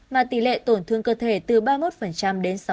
mà tỷ lệ tổn thương cơ thể từ ba mươi một đến sáu